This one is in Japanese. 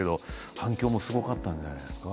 反響もすごかったんじゃないですか？